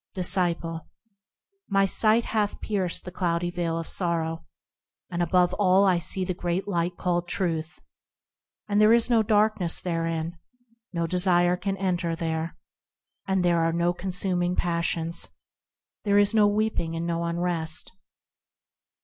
Disciple. My sight hath pierced the cloudy veil of sorrow, And above all I see the Great Light called Truth, And there is no darkness therein, No desires can enter there. And there are no consuming passions ; There is no weeping and no unrest.